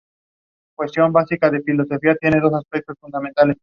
Ambos sexos poseen una apariencia similar.